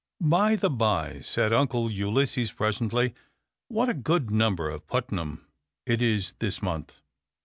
"By the bye," said Uncle Ulysses presently, "what a good number of Putnam it is this month!